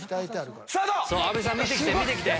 阿部さん見てきて見てきて！